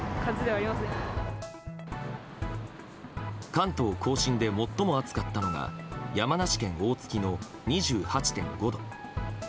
関東・甲信で最も暑かったのが山梨県大月の２８．５度。